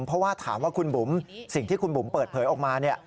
เพราะว่าถามว่าคุณบุ๋มสิ่งที่คุณบุ๋มเปิดเผยออกมาเนี่ย